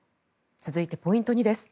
続いて、ポイント２です。